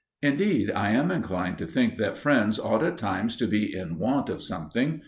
Indeed I am inclined to think that friends ought at times to be in want of something.